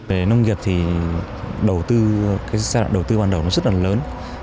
về nông nghiệp thì đầu tư cái giai đoạn đầu tư ban đầu nó rất là lớn